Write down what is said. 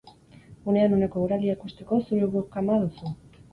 Unean uneko eguraldia ikusteko, gure webkama duzu.